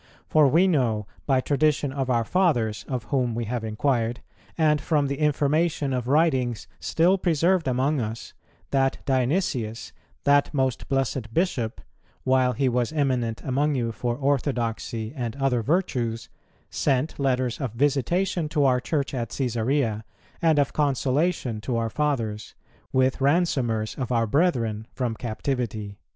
For we know, by tradition of our fathers of whom we have inquired, and from the information of writings still preserved among us, that Dionysius, that most blessed Bishop, while he was eminent among you for orthodoxy and other virtues, sent letters of visitation to our Church at Cæsarea, and of consolation to our fathers, with ransomers of our brethren from captivity."